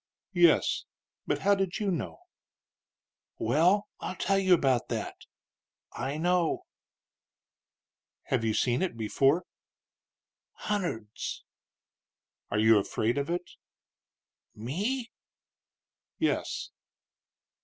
"Yes; but how do you know?" "Well, I'll tell you about that; I know." "Have you seen it before?" "Hunderds." "Are you afraid of it?" "Me?" "Yes."